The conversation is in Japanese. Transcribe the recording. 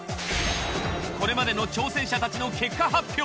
これまでの挑戦者たちの結果発表。